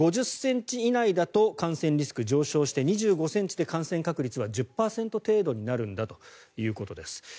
５０ｃｍ以内だと感染リスク上昇して２５ｃｍで感染確率は１０％程度になるんだということです。